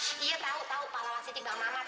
iya tahu pahlawan siddiq bang mama